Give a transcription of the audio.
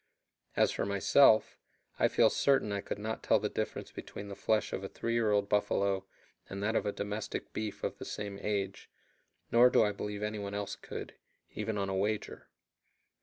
As for myself, I feel certain I could not tell the difference between the flesh of a three year old buffalo and that of a domestic beef of the same age, nor do I believe any one else could, even on a wager.